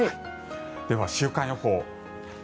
では週間予報。